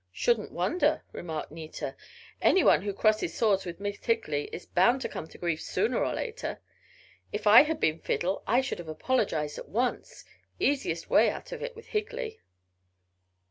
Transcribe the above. "Shouldn't wonder," remarked Nita. "Any one who crosses swords with Miss Higley is bound to come to grief sooner or later. If I had been Fiddle I should have apologized at once easiest way out of it with Higley."